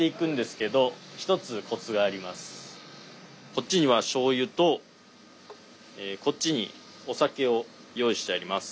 こっちにはしょうゆとこっちにお酒を用意してあります。